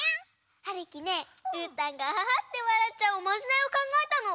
はるきねうーたんがアハハってわらっちゃうおまじないをかんがえたの。